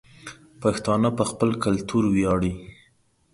پښتانه په خپل کلتور وياړي